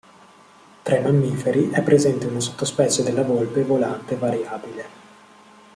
Tra i mammiferi è presente una sottospecie della volpe volante variabile.